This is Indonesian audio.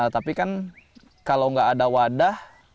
tapi kan kalau nggak ada wadah